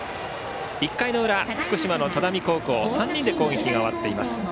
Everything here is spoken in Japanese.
１回の裏、福島の只見高校３人で攻撃が終わっています。